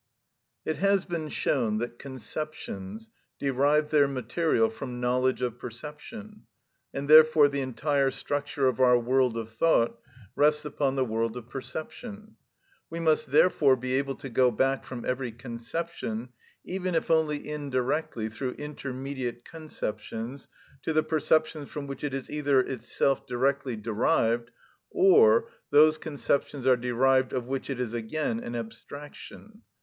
It has been shown that conceptions derive their material from knowledge of perception, and therefore the entire structure of our world of thought rests upon the world of perception. We must therefore be able to go back from every conception, even if only indirectly through intermediate conceptions, to the perceptions from which it is either itself directly derived or those conceptions are derived of which it is again an abstraction.